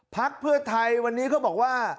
พักเพื่อไทยวันนี้ก็บอกว่า